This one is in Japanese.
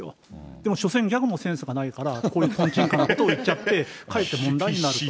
でもしょせんギャグもセンスがないから、こういうとんちんかんなことを言っちゃって、かえって問題になると。